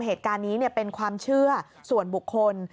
เหตุการณ์นี้เป็นความเชื่อส่วนบุคคล